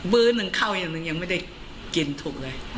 บื้อนึงเข้ายังไม่ได้กินถูกเลย